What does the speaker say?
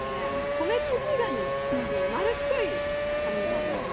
コメツキガニっていう丸っこいカニさんですね。